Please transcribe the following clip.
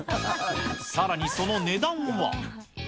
さらにその値段は。